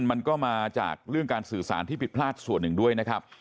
มันก็มาจากเรื่องการสื่อสารที่ผิดพลาดส่วนหนึ่งด้วยนะครับ